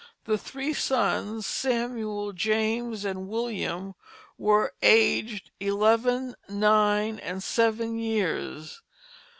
The three sons Samuel, James, and William were aged eleven, nine, and seven years.